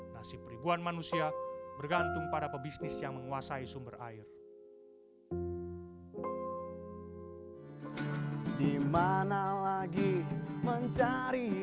nasib peribuan manusia bergantung pada pebisnis yang menguasai sumber air